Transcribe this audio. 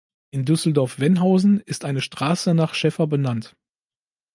In Düsseldorf-Vennhausen ist eine Straße nach Schäffer benannt.